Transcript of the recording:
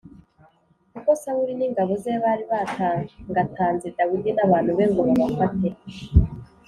kuko Sawuli n’ingabo ze bari batangatanze Dawidi n’abantu be ngo babafate.